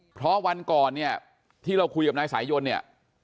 เพราะวันก่อนเนี่ยที่เราคุยกับนายสายยนเนี่ย